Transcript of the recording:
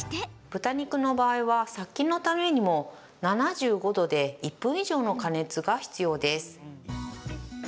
豚肉の場合は殺菌のためにも、７５度で１分以上の加熱が必要です。